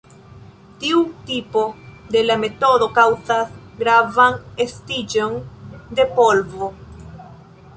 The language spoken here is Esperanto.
Tiu tipo de la metodo kaŭzas gravan estiĝon de polvo.